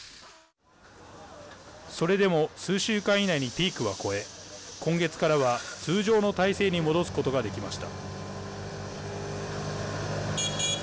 それでも数週間以内にピークは越え今月からは通常の体制に戻すことができました。